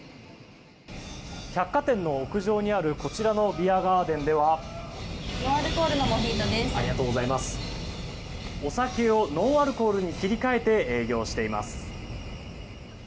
百貨店の屋上にあるこちらのビアガーデンではお酒をノンアルコールに切り替えて営業しています。